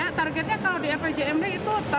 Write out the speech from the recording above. ya targetnya kalau di rpjmd itu tahun depan itu tiga jutaan